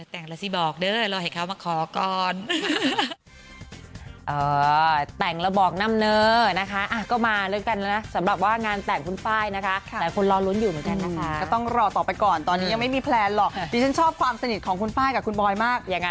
แต่แต่งแล้วสิบอกเด้อ